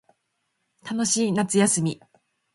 楽しい夏休み